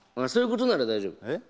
そういうことなら大丈夫。